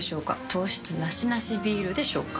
糖質ナシナシビールでしょうか？